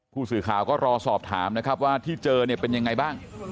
ผู้สื่อข่าวก็รอสอบถามนะครับว่าที่เจอเนี่ยเป็นยังไงบ้าง